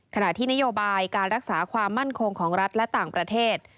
ขณะที่นโยบายการรักษาความมั่นคงของรัฐและต่างประเทศ